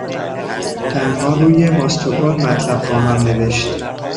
تنها روی ماستودون مطلب خواهم نوشت